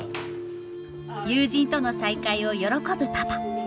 友人との再会を喜ぶパパ。